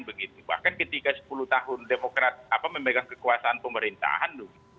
bahkan ketika sepuluh tahun demokrat memegang kekuasaan pemerintahan